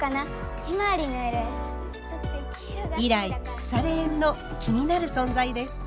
以来くされ縁の気になる存在です。